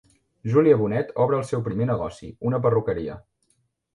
Júlia Bonet obre el seu primer negoci, una perruqueria.